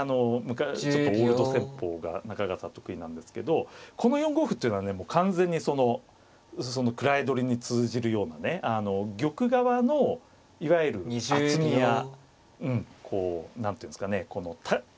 ちょっとオールド戦法が中川さん得意なんですけどこの４五歩っていうのはね完全にその位取りに通じるようなね玉側のいわゆる厚みがこう何ていうんですかね高さですね。